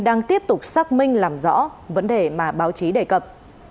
đang tiếp tục xác minh làm rõ vấn đề mà báo chí đề cập